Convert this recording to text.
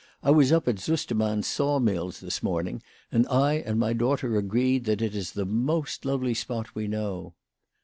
I was up at Sustermann's saw mills this morning, and I and my daughter agreed that it is the most lovely spot we know."